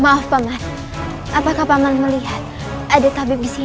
maaf paman apakah paman melihat ada tabib disini